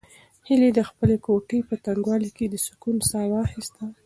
هیلې د خپلې کوټې په تنګوالي کې د سکون ساه واخیسته.